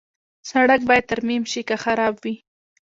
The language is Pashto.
سړک باید ترمیم شي که خراب وي.